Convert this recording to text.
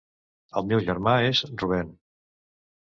El meu germà és Rubén.